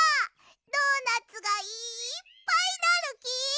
ドーナツがいっぱいなるき。